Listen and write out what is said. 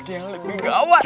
ada yang lebih gawat